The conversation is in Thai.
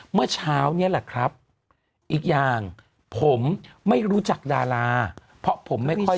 เมื่อเช้านี้แหละครับอีกอย่างผมไม่รู้จักดาราเพราะผมไม่ค่อย